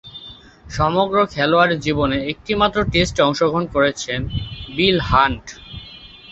সমগ্র খেলোয়াড়ী জীবনে একটিমাত্র টেস্টে অংশগ্রহণ করেছেন বিল হান্ট।